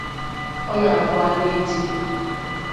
Ọ na-abụ a na-etigbu